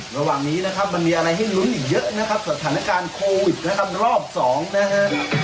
ระหว่างนี้นะครับมันมีอะไรให้ลุ้นอีกเยอะนะครับสถานการณ์โควิดนะครับรอบสองนะฮะ